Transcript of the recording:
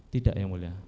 tidak yang mulia